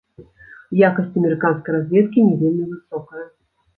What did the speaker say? Якасць амерыканскай разведкі не вельмі высокая.